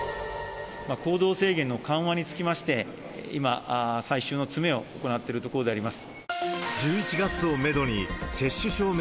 行動制限の緩和につきまして、今、最終の詰めを行ってるところであります。